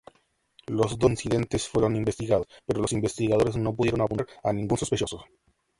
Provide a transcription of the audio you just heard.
Los dos incidentes fueron investigados, pero los investigadores no pudieron apuntar a ningún sospechoso.